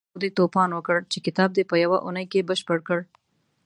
دا خو دې توپان وکړ چې کتاب دې په يوه اونۍ کې بشپړ کړ.